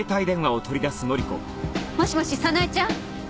もしもし早苗ちゃん。